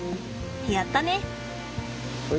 やったね！